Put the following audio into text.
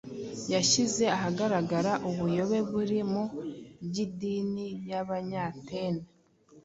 Yashyize ahagaragara ubuyobe buri mu by’idini y’Abanyatene.